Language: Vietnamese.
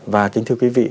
và kính thưa quý vị